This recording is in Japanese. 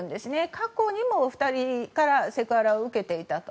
過去にも２人からセクハラを受けていたと。